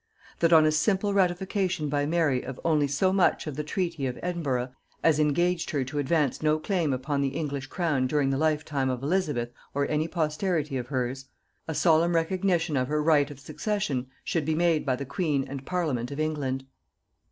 That on a simple ratification by Mary of only so much of the treaty of Edinburgh as engaged her to advance no claim upon the English crown during the lifetime of Elizabeth or any posterity of hers, a solemn recognition of her right of succession should be made by the queen and parliament of England.